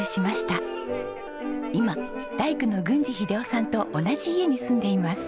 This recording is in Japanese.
今大工の郡司秀雄さんと同じ家に住んでいます。